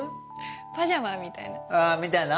パジャマみたいなあみたいな？